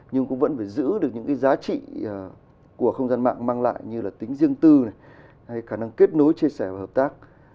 nhưng cũng vẫn phải giữ được những giá trị của không gian mạng mang lại như tính riêng tư khả năng kết nối chia sẻ và hợp tác